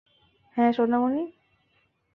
হ্যাঁ, সোনামণি?